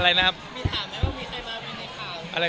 อะไรนะครับ